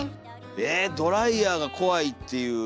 えドライヤーが怖いっていう。